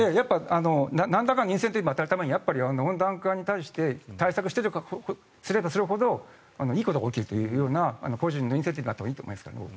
なんらかのインセンティブを与えるためにやっぱり温暖化に対して対策すればするほどいいことが起きるというような個人のインセンティブがあるといいと思います。